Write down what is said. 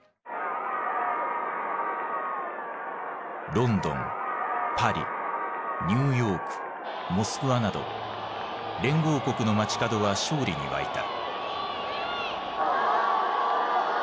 ロンドンパリニューヨークモスクワなど連合国の街角は勝利に沸いた。